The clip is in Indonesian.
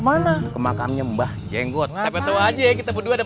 mana ke makamnya mbah jenggot kita berdua